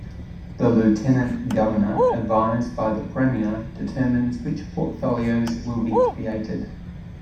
The Lieutenant Governor, advised by the Premier, determines which portfolios will be created.